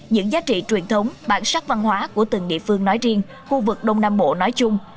những giá trị truyền thống bản sắc văn hóa của từng địa phương nói riêng khu vực đông nam bộ nói chung